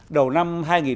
đầu năm hai nghìn bốn